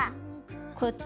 こっち。